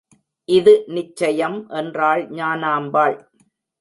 இது நிச்சயம்! என்றாள் ஞானாம்பாள்.